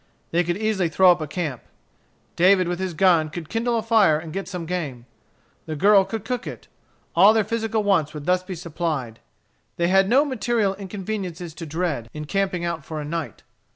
They could easily throw up a camp. David with his gun could kindle a fire and get some game. The girl could cook it. All their physical wants would thus be supplied. They had no material inconveniences to dread in camping out for a night.